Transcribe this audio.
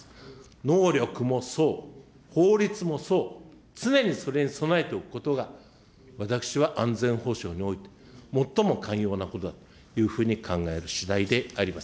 能力もそう、法律もそう、常にそれに備えておくことが私は安全保障において、最も肝要なことだというふうに考えるしだいであります。